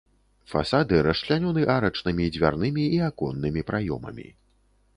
Фасады расчлянёны арачнымі дзвярнымі і аконнымі праёмамі.